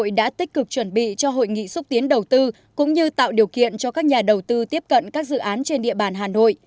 thành phố hà nội đã tích cực chuẩn bị cho hội nghị xúc tiến đầu tư cũng như tạo điều kiện cho các nhà đầu tư tiếp cận các dự án trên địa bàn hà nội